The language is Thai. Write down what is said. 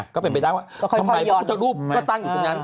ก็เป็นไปได้ว่าทำไมพระพุทธรูปก็ตั้งอยู่ตรงนั้น